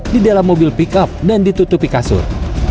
di dalam mobil pickup dan ditutupi kasur